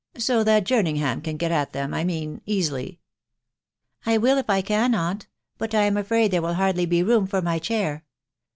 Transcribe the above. ... so that Jerningham can get at them* I mean, easily." <c I will, if I can, aunt, hut I am afraid there will bsvdryee, room for my chair.